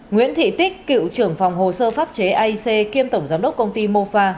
nguyễn thị tích cựu trưởng phòng hồ sơ pháp chế aic kiêm tổng giám đốc công ty mofa